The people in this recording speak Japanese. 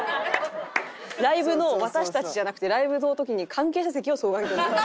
ライブの私たちじゃなくてライブの時に関係者席を双眼鏡で見て。